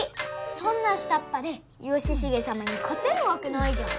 そんな下っぱで義重様にかてるわけないじゃん。